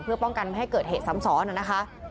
เพื่อป้องกันไม่ให้เกิดเหตุซ้ำซ้อนนะคะ